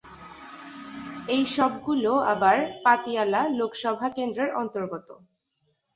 এই সবগুলো আবার পাতিয়ালা লোকসভা কেন্দ্রের অন্তর্গত।